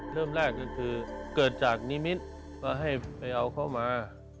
เริ่มแรกก็คือเกิดจากนิมิตรว่าให้ไปเอาเข้ามา